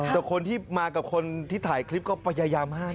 แต่คนที่มากับคนที่ถ่ายคลิปก็พยายามห้าม